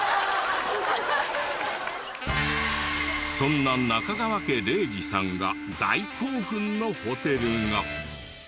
そんな中川家礼二さんが大興奮のホテルが。